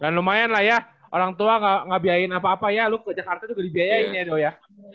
dan lumayan lah ya orang tua enggak biayain apa apa ya lu ke jakarta juga dibiayain ya do ya